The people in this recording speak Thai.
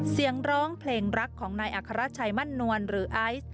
เสียงร้องเพลงรักของนายอัครชัยมั่นนวลหรือไอซ์